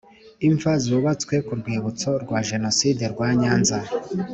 Imva zubatswe ku Rwibutso rwa Jenoside rwa nyanza